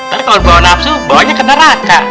tapi kalau bawa nafsu bawanya ke neraka